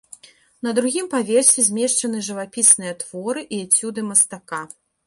На другім паверсе змешчаны жывапісныя творы і эцюды мастака.